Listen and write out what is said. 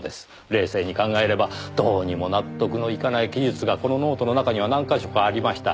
冷静に考えればどうにも納得のいかない記述がこのノートの中には何か所かありました。